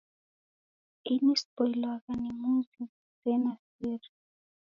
Ini siboilwagha ni muzi ghusena sere.